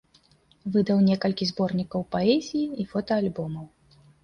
Выдаў некалькі зборнікаў паэзіі і фотаальбомаў.